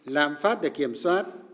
lạm phát để kiểm soát